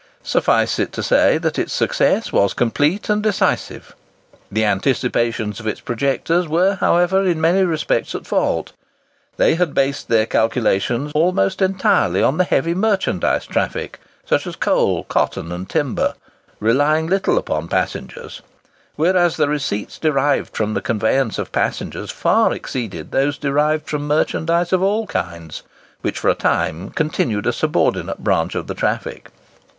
Suffice it to say that its success was complete and decisive. The anticipations of its projectors were, however, in many respects at fault. They had based their calculations almost entirely on the heavy merchandise traffic—such as coal, cotton, and timber,—relying little upon passengers; whereas the receipts derived from the conveyance of passengers far exceeded those derived from merchandise of all kinds, which, for a time continued a subordinate branch of the traffic.